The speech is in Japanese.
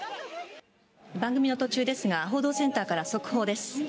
番組の途中ですが報道センターから速報です。